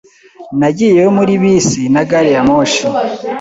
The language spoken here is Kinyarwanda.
Nagiyeyo muri bisi na gari ya moshi.